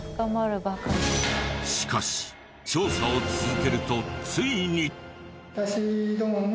しかし調査を続けるとついに！